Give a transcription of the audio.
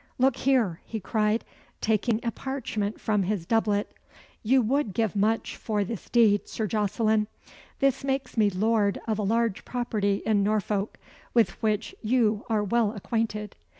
Look here!" he cried, taking a parchment from his doublet. "You would give much for this deed, Sir Jocelyn. This makes me lord of a large property in Norfolk, with which you are well acquainted."